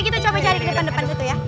kita coba cari di depan depan situ ya